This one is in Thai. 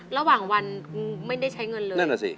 ระหว่างวันไม่ได้ใช้เงินเลย